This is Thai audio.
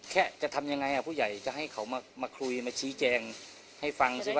แค่จะทำยังไงพ่อใหญ่จะให้เขามาคุยมาชี้แจงให้ฟัง